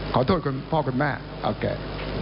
ขอโทษคุณพ่อคุณแม่โอเค